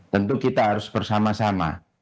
tentu kita harus bersama sama